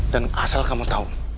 dan asal kamu tau